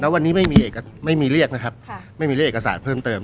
วันนี้ไม่มีเรียกนะครับไม่มีเรียกเอกสารเพิ่มเติม